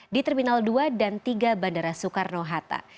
di terminal dua dan tiga bandara soekarno hatta